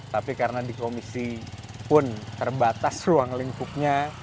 tapi karena di komisi pun terbatas ruang lingkupnya